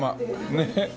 ねえ。